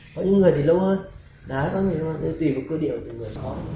có những người hai tuần nữa ạ có những người thì lâu hơn đấy tùy vào cơ địa của từng người